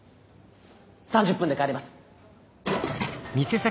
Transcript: ３０分で帰れます！